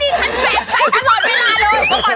รู้จักไหม